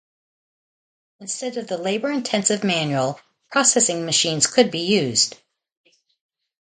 Instead of the labour-intensive manual processing machines could be used.